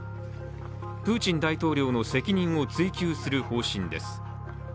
プーチン大統領の責任を追及する方針です。